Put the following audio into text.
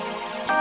masih gak bisa